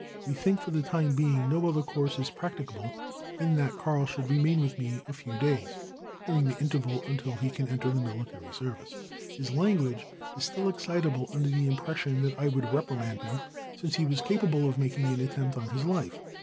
We think for the time being no other course is practicable than that Karl should remain with me a few days (during the interval until he can enter the military service). His language is still excitable under the impression that I would reprimand him since he was capable of making an attempt on his life.